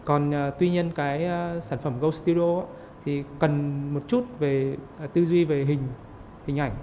còn tuy nhiên cái sản phẩm goldstudio thì cần một chút tư duy về hình ảnh